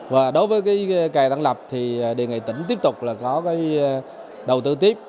và đối với cái kè tần lập thì đề nghị tỉnh tiếp tục là có cái đầu tư tiếp